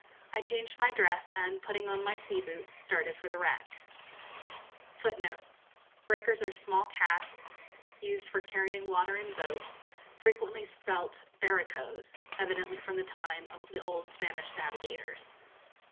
I changed my dress, and, putting on my sea boots, started for the wreck. [Footnote 1: Small casks, used for carrying water in boats, frequently spelt barricos, evidently from the time of the old Spanish navigators.